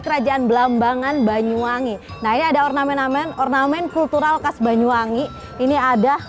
kerajaan belambangan banyuwangi nah ada ornamen ornamen kultural khas banyuwangi ini ada